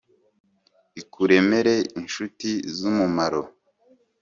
Ikuremere inshuti zumumaro